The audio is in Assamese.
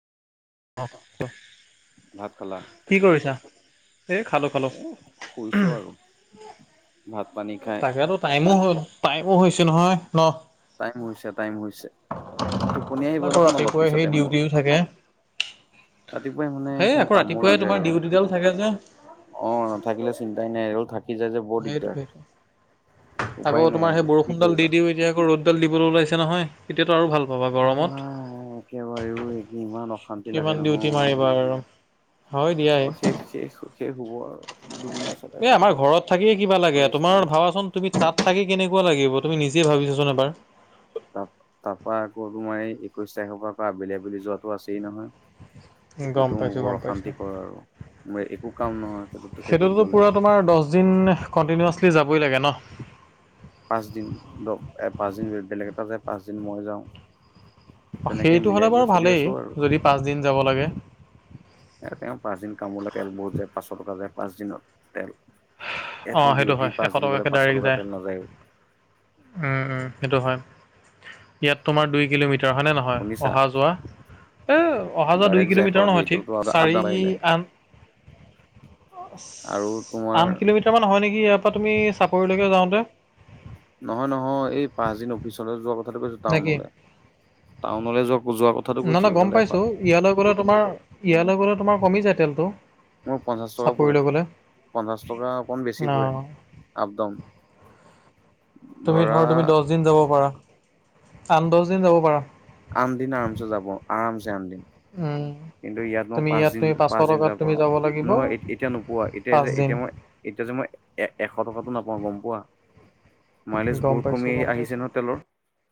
অ'। ভাত খালা কি কৰিছা এই খালো খালো এ শুইছো আৰু। ভাত পানী খাই তাকোতো টাইমো হয় টাইমো হৈছে নহয় ন। টাইম হৈছে, টাইম হৈছে। টোপনি আহিব আকৌ দেখোন অলপ ৰাতিপুৱাই সেই পিছতে মোৰ। ডিউটিও থাকে ৰাতিপুৱাই মানে সেই এখন আকৌ কামো ৰাতিপুৱাই লাগে তোমাৰ আৰু। ডিউটিডাল থাকে যে অ', নাথাকিলে চিন্তাই নাই এ থাকো। সেইটো, সেইটো উপায় আকৌ নাই তোমাৰ আৰু সেই কি বৰষুণডাল দি কৰিবা। দিওঁ এতিয়া আকৌ ৰ'দ তেল দিবলৈ ওলাইছে নহয় এতিয়াতো আৰু ভাল পাবা গৰমত। একেবাৰেও ইমান অশান্তি কিমান লাগে ডিউটি মাৰিবা নহয় আৰু হয় দিয়াই অ', শেষ, শেষ, শেষ হ'বৰ দুদিনা এই আমাৰ [unintelligible] ঘৰত থাকিয়ে কিবা লাগে তোমাৰ ভাবাচোন তুমি তাত থাকি কেনেকুৱা লাগিব তুমি নিজে ভাবিছাচোন এবাৰ। ত তাৰ পৰাৰা আকৌ তোমাৰ এই একৈশ তাৰিখৰ পৰা আবেলি আবেলি যোৱাতটো আছেই নহয়। গম সেইটোতো মোৰ পাইছোঁ বৰ গম পাইছোঁ অশান্তি কৰ আৰু ম একো কাম নহয় সেইটোতো খেইটোত গ'লে। পূৰা তোমাৰ দহ দিন কণ্টিনিউাচলি যাবই লাগে ন। পাঁচদিন দ পাঁচদিন বেলেগ এটা যায় পাঁচদিন মই যাওঁ। তেনেকে সেইটো মিলাই হ'লে কৰি বাৰু চলি ভালেই আছো আৰু যদি পাঁচদিন যাব লাগে। এ তেওঁ পাঁচ দিন কামো তেল বহুত যায় পাঁচশ টকা যায় পাঁচ দিনত তেল। এ অঁ মোৰ দি সেইটো উঠি হয় এশ পাঁচ দিন গ'লে টকাকৈ পাঁচশ ডাইৰেক্ট টকা যায় তেল নাযায়ও। উম সেইটো হয়। ইয়াত তোমাৰ দুই কিলোমিটাৰ হয়নে নহয় শুনিছা অহা যোৱা? এ অহা যোৱা দুই ডাইৰেক্ট যায় কিলোমিটাৰ এশকে নহয় ঠিক এতিয়াতো চাৰি আদা বাঢ়িলে আন আৰু তোমাৰ কেইটামান হয় নেকি ইয়াৰ পৰা তমি চাপৰিলৈকে যওঁতে। নহয় নহয় এই পাঁচদিন অফিচলৈ যোৱা কথাটো কৈছো নেকি টাউনলৈ। টাউনলৈ যোৱা যোৱা কথাটো কৈছো গম এশ পাইছো ইয়ালৈ গ'লে তোমাৰ, ইয়ালৈ গ'লে তোমাৰ কমি যায় তেলটো। মোৰ পঞ্চাছ টকা পৰে, চাপৰিলৈ গ'লে পঞ্চাছ টকা অকণ বেছি পৰে অঁ আপ-ডাউন। তুমি ধৰা তুমি দহদিন যাব পাৰা, আন দহ দিন যাব পাৰা। [unintelligible] যাব আৰামছে আনিদিম উম, কিন্তু ইয়াত মই তুমি পাঁচ দিন তুমি পাঁচশ পাঁচ দিন টকাত যাব। তুমি লাগিব নহয় এতিয়া নোপোৱা, এতিয়া যে পাঁচদিন এতিয়া মই এতিয়া যে মই এ এশ টকাতো নাপাওঁ গম পোৱা? মাইলেজ গম বহুত পাইছোঁ কমি গম আহিছে পাইছোঁ ন তেলৰ?